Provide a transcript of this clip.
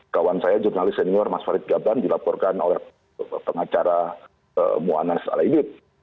kawan saya jurnalis senior mas farid gablan dilaporkan oleh pengacara mu'anaz al aidid